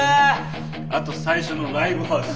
あと最初のライブハウス。